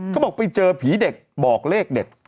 เขาบอกไปเจอผีเด็กบอกเลขเด็ด